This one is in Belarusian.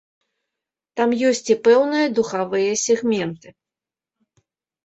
Там ёсць і пэўныя духавыя сегменты.